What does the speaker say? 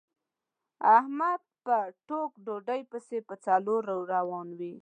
احمد په ټوک ډوډۍ پسې په څلور روان وي.